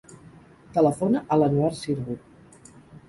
Telefona a l'Anouar Sirbu.